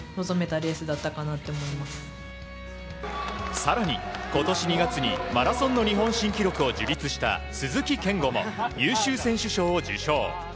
更に今年２月にマラソンの日本記録を樹立した鈴木健吾も優秀選手賞を受賞。